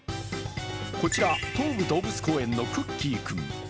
こちら東武動物公園のクッキー君。